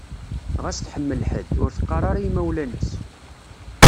Ɣas tḥemmel ḥedd, ur teqqar ara i imawlan-is.